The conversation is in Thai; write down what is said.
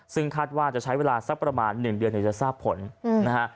ซึ่งคาดว่าจะใช้เวลาสักประมาณ๑เดือนจะทราบผลนะฮะ